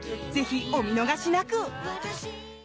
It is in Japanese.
ぜひ、お見逃しなく！